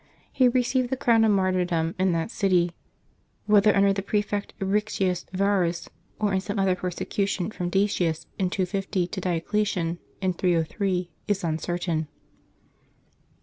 He received the crown of martyrdom in that city, whether under the prefect Eictius Varus, or in some other persecution from Decius, in 250, to Diocletian, in 303, is uncertain.